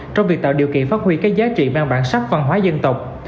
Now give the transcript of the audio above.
trong việc tạo điều kiện phát huy các giá trị mang bản sắc văn hóa dân tộc